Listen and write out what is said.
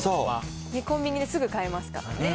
コンビニですぐ買えますからね。